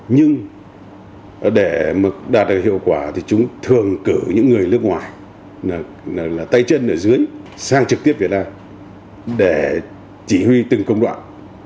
nhưng để đạt được hiệu quả thì chúng thường cử những người nước ngoài là tay chân ở dưới sang trực tiếp việt nam để chỉ huy từng công đoạn